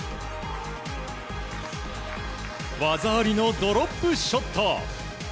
技ありのドロップショット。